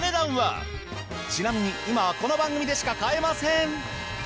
ちなみに今はこの番組でしか買えません。